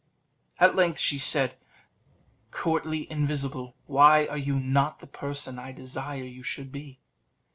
At length she said: "Courtly invisible, why are you not the person I desire you should be?"